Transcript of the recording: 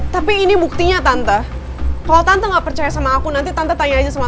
tapi ini buktinya tante kalau tante gak percaya sama aku nanti tante tanya aja sama